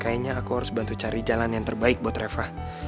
kayaknya aku harus bantu cari jalan yang terbaik buat reva